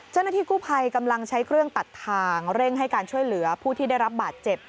เจ้าหน้าที่กู้ภัยกำลังใช้เครื่องตัดทางเร่งให้การช่วยเหลือผู้ที่ได้รับบาดเจ็บ